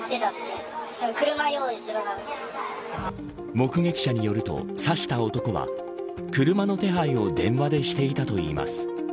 目撃者によると、刺した男は車の手配を電話でしていたといいます。